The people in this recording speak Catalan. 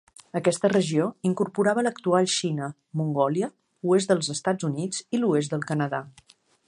Aquesta regió incorporava l'actual Xina, Mongòlia, oest dels Estats Units i l'oest del Canadà.